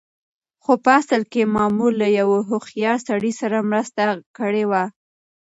خو په اصل کې مامور له يوه هوښيار سړي سره مرسته کړې وه.